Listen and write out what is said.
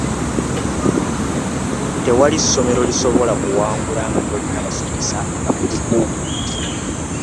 Tewali ssomero lisobola kuwangula nga teriyina basomesa bakugu.